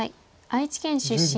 愛知県出身。